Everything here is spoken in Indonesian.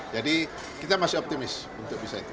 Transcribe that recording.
jadi kita masih optimis untuk bisa itu